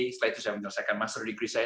setelah itu saya menyelesaikan master likui saya